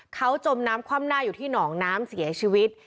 เขาจมน้ำคว่ำหน้าอยู่ที่หนองน้ำเสียชีวิต